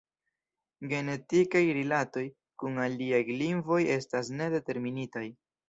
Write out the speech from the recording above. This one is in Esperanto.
Genetikaj rilatoj kun aliaj lingvoj estas ne determinitaj.